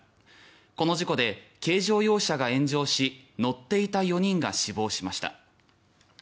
この事故で軽乗用車が炎上し乗っていた４人が死亡しました。